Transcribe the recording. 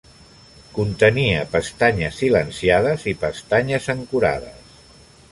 Contenia pestanyes silenciades i pestanyes ancorades.